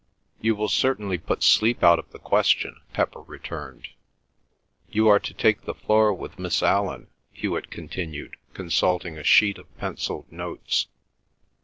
"You will certainly put sleep out of the question," Pepper returned. "You are to take the floor with Miss Allan," Hewet continued, consulting a sheet of pencilled notes.